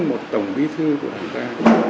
một tổng bí thư của hàn giang